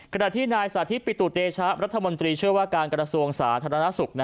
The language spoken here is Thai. ขณะที่นายสาธิตปิตุเตชะรัฐมนตรีเชื่อว่าการกระทรวงสาธารณสุข